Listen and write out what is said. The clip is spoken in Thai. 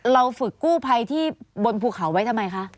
เราฝึกกู้ภัยที่บนภูเขาไว้ทำไมคะ